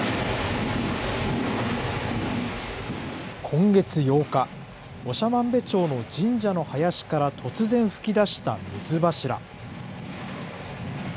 今月８日、長万部町の神社の林から突然噴き出した水柱。